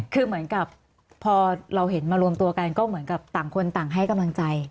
คือเหมือนกับพอเราเห็นมารวมตัวกันก็เหมือนกับต่างคนต่างให้กำลังใจ